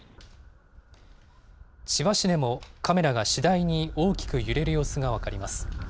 千葉市でもカメラが次第に大きく揺れる様子が分かります。